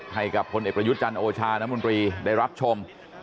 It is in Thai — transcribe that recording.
ให้กับคนเอกประยุทธ์จันทร์โอชาน้ำมนตรีได้รับชม